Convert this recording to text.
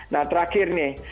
nah terakhir nih